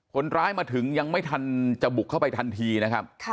คนร้ายมาถึงยังไม่ทันจะบุกเข้าไปทันทีนะครับ